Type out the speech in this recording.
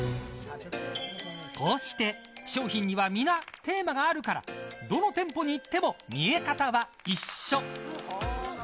こうして商品には皆テーマがあるからどの店舗に行っても見え方は、一緒。